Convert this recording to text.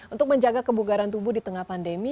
untuk menjaga kebugaran tubuh di tengah pandemi